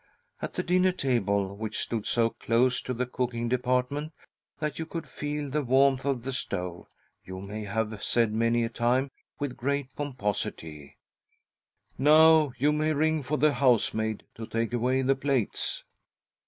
At the dinner table— which stood so close to the cooking department that.yoU could feel the warmth of the stove— you may have said many a. time with great pomposity :" Now you may ring for the housemaid to take away the plates."